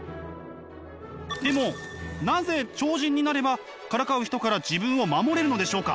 でもなぜ超人になればからかう人から自分を守れるのでしょうか？